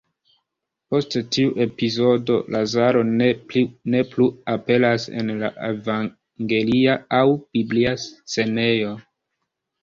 Post tiu epizodo, Lazaro ne plu aperas en la evangelia aŭ biblia scenejo.